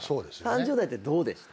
３０代ってどうでした？